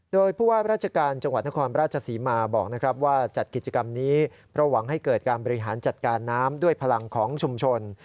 โดยผู้ว่าราชการจังหวัดนครราชศรีมาบอกนะครับว่าจัดกิจกรรมนี้เพราะหวังให้เกิดการบริหารจัดการน้ำด้วยพลังของชุมชน